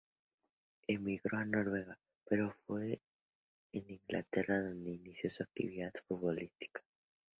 Emigró a Noruega, pero fue en Inglaterra donde inició su actividad futbolística.